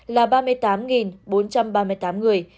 là ba mươi tám bốn trăm ba mươi tám người